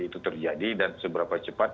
itu terjadi dan seberapa cepat